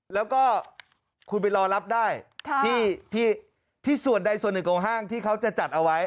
แล้วก็คุณไปรอรับได้ที่ส่วนใดส่วนหนึ่งของห้างที่เขาจะจัดเอาไว้